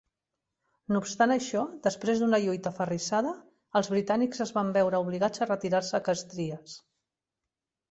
No obstant això, després d'una lluita aferrissada, els britànics es van veure obligats a retirar-se a Castries.